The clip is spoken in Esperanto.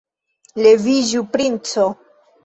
Leviĝu, princo.